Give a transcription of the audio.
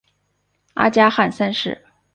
阿加汗三世。